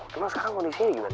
cuma sekarang kondisinya gimana